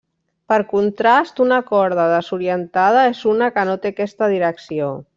Per contrast, una corda desorientada és una que no té aquesta direcció.